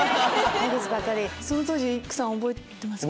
その当時育さん覚えてますか？